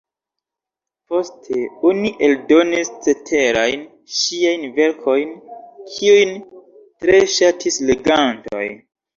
Poste oni eldonis ceterajn ŝiajn verkojn, kiujn tre ŝatis legantoj.